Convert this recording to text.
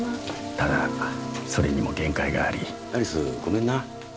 ただそれにも限界があり有栖ごめんな